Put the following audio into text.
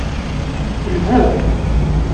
Lbu.